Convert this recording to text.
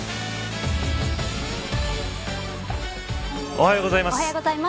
おはようございます。